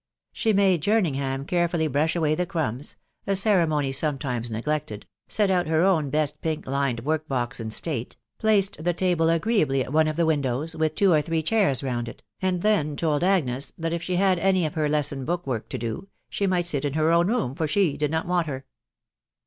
She made Jerningham carefully brush away the crumbs — a ceremony sometimes neglected — set out her own best pink lined work box in state, placed the table agreeably at one of the windows, with two or three chairs round it, and then told Agnes, that if she had any of her lesson book work to do, she might sit in her own room, for she did not want her.